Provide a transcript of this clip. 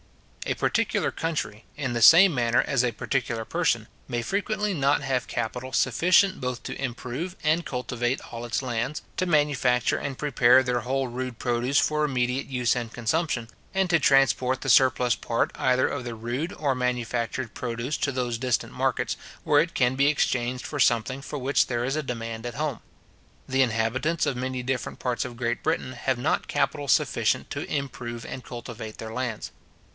A particular country, in the same manner as a particular person, may frequently not have capital sufficient both to improve and cultivate all its lands, to manufacture and prepare their whole rude produce for immediate use and consumption, and to transport the surplus part either of the rude or manufactured produce to those distant markets, where it can be exchanged for something for which there is a demand at home. The inhabitants of many different parts of Great Britain have not capital sufficient to improve and cultivate all their lands.